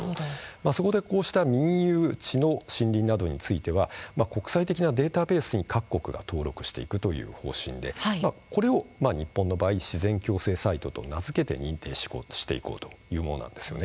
そこでこうした民有地の森林などについては国際的なデータベースに各国が登録していくという方針でこれを日本の場合自然共生サイトと名付けて認定していこうというものなんです。